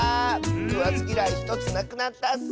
くわずぎらい１つなくなったッス。